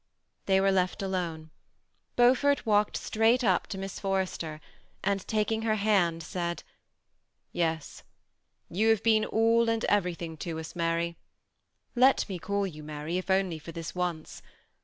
They were left alone. Beaufort walked straight up to Miss Forrester, and taking her hand, said, ^^ Yes ; you have been all and everything to us, Mary ; let me call you Mary, if only for this once.